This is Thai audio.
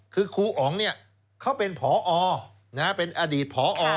คือครูอ๋องเขาเป็นผอเป็นอดีตผอ